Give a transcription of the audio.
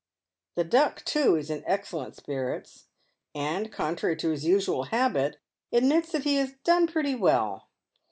The " Duck," too, is in excellent spirits, and, contrary to his usual habit, admits that he has done "pretty well."